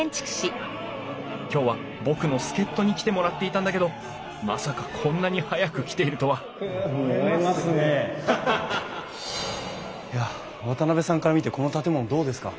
今日は僕の助っとに来てもらっていたんだけどまさかこんなに早く来ているとはいや渡さんから見てこの建物どうですか？